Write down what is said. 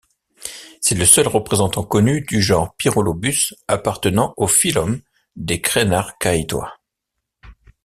C'est le seul représentant connu du genre Pyrolobus appartenant au phyllum des Crenarchaeota.